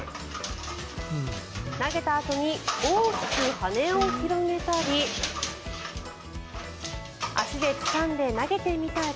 投げたあとに大きく羽を広げたり足でつかんで投げてみたり。